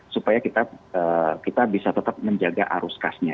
supaya kita bisa tetap menjaga arus kasnya